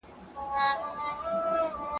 ښه ذهنیت راتلونکی نه کموي.